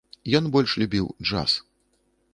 Ён больш любіў джаз.